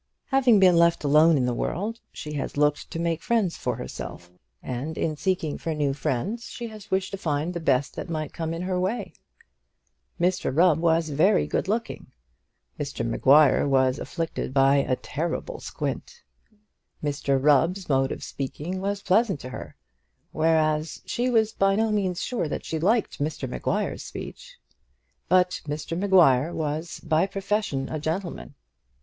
Having been left alone in the world, she has looked to make friends for herself; and in seeking for new friends she has wished to find the best that might come in her way. Mr Rubb was very good looking; Mr Maguire was afflicted by a terrible squint. Mr Rubb's mode of speaking was pleasant to her; whereas she was by no means sure that she liked Mr Maguire's speech. But Mr Maguire was by profession a gentleman.